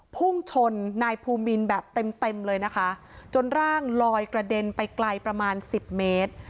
พุ่งชนนายภูมินแบบเต็มเต็มเลยนะคะจนร่างลอยกระเด็นไปไกลประมาณสิบเมตร